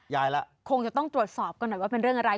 คงจะต้องตรวจสอบกันหน่อยว่าเป็นเรื่องอะไร